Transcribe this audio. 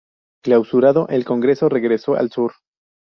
Clausurado el congreso, regresó al sur.